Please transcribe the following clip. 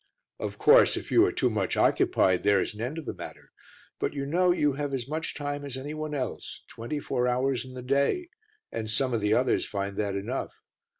"Of course, if you are too much occupied there is an end of the matter. But, you know, you have as much time as any one else, twenty four hours in the day, and some of the others find that enough.